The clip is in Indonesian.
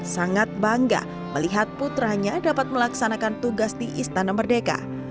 sangat bangga melihat putranya dapat melaksanakan tugas di istana merdeka